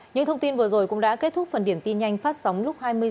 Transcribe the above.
những thông tin vừa rồi cũng đã kết thúc phần điểm tin nhanh phát sóng lúc hai mươi h